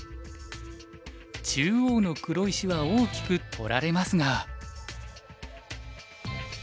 中央の黒石は大きく取られますが。